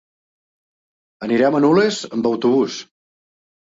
Anirem a Nules amb autobús.